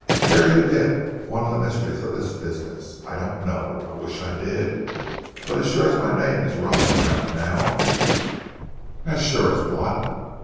"There you hit one of the mysteries of this business. I don't know, I wish I did, but as sure as my name is Roger Bracknell " "As sure as what?"